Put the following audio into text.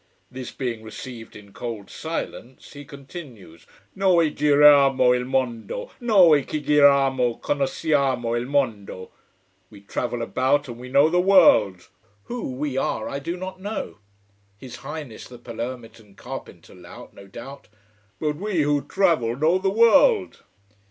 This being received in cold silence, he continues: Noi giriamo il mondo! Noi, chi giriamo, conosciamo il mondo. We travel about, and we know the world. Who we are, I do not know: his highness the Palermitan carpenter lout, no doubt. But we, who travel, know the world.